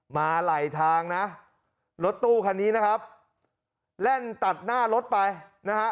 มาไหลทางนะรถตู้คันนี้นะครับแล่นตัดหน้ารถไปนะฮะ